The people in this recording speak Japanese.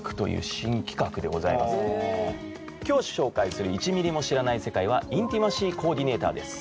今日紹介する１ｍｍも知らない世界はインティマシー・コーディネーターです。